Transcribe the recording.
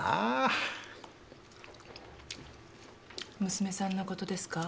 娘さんのことですか？